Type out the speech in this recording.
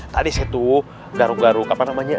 tadi saya tuh garuk garuk apa namanya